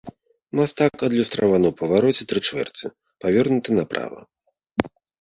Мастак адлюстраваны ў павароце тры чвэрці, павернуты направа.